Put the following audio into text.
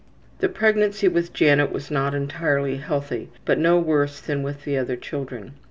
The pregnancy with Janet was not entirely healthy, but no worse than with the other children.